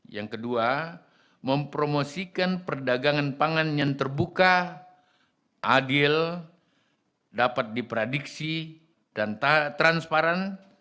yang kedua mempromosikan perdagangan pangan yang terbuka adil dapat diprediksi dan transparan